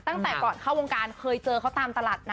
ตั้งแต่ก่อนเข้าวงการเคยเจอเขาตามตลาดนะ